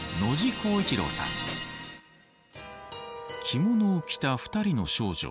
着物を着た２人の少女。